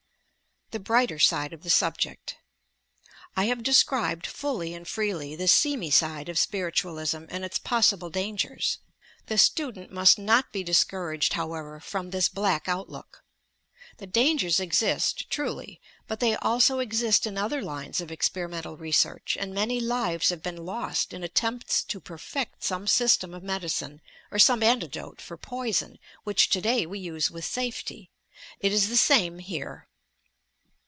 THE BRIOBTER SIDE OF THE SrjBJECT I have described fully and freely the "seamy side" of Spiritualism, and its possible dangers. The student must not be discouraged, however, from this black out look. The dangers exist, truly, but they also exist in other lines of experimental research, and many lives have been lost in attempts to perfect some sj stem of medicine or some antidote for poison, which today we use with safety. It is the same here.